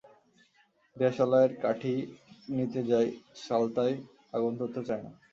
দেশলাইয়ের কাঠি নিতে যায়, সালতায় আগুন ধরতে চায় না।